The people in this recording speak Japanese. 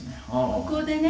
「ここでね